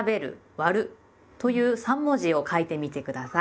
「『割』る」という三文字を書いてみて下さい。